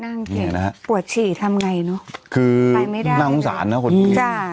นั่งเก่งนี่นะฮะปวดฉี่ทำไงเนอะคือใส่ไม่ได้น่างงสารนะคนพิมพ์จ้า